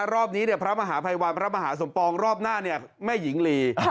รอบนี้พระมหาภัยวันพระมหาสมปองรอบหน้าแม่หญิงลี